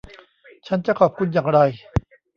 ฉันจะขอบคุณอย่างไร